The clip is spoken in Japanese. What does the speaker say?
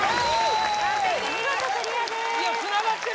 見事クリアでーす